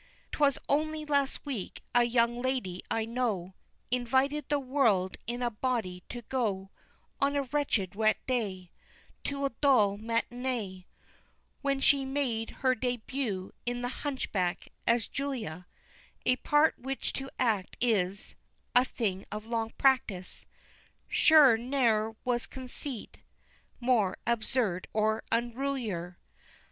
'Twas only last week a young lady I know Invited the world in a body to go (On a wretched wet day) To a dull matinée, When she made her débût in the "Hunchback," as Julia; A part which to act is A thing of long practice, Surely ne'er was conceit more absurd or unrulier.